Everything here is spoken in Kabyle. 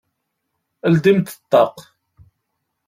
Ldimt ṭṭaq!